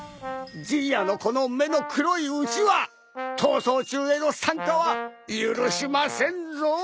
じいやのこの目の黒いうちは逃走中への参加は許しませんぞ！